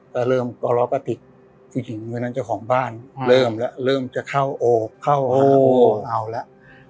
ก็เริ่มกร้อกระติกจริงวันนั้นเจ้าของบ้านเริ่มแล้วเริ่มจะเข้าโอบเข้าหาโอเอาแล้ว